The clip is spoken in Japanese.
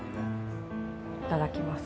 いただきます。